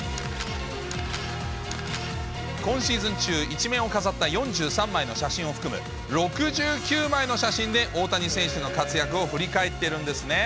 今シーズン中、１面を飾った４３枚の写真を含む６９枚の写真で大谷選手の活躍を振り返っているんですね。